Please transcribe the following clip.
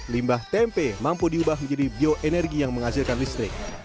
limbah tempe mampu diubah menjadi bioenergi yang menghasilkan listrik